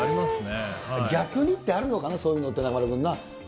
逆にってあるのかな、そういうのって、中丸君な。